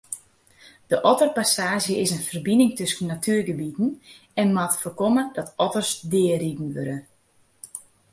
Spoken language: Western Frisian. De otterpassaazje is in ferbining tusken natuergebieten en moat foarkomme dat otters deariden wurde.